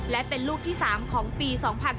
และเป็นลูกที่๓ของปี๒๕๕๙